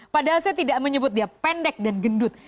padahal saya tidak menyebut dia pendek dan gendut